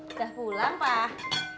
udah pulang pak